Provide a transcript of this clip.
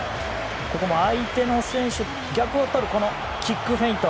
ここも相手の選手の逆をとるこのキックフェイント。